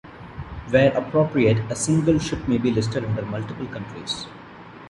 Where appropriate, a single ship may be listed under multiple countries.